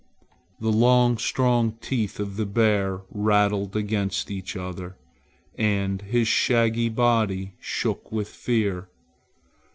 The long strong teeth of the bear rattled against each other, and his shaggy body shook with fear.